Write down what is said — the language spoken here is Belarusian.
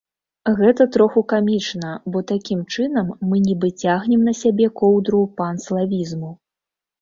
Гэта троху камічна, бо такім чынам мы нібы цягнем на сябе коўдру панславізму.